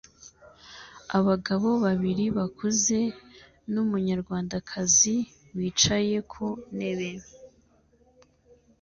Abagabo babiri bakuze numunyarwandakazi wicaye ku ntebe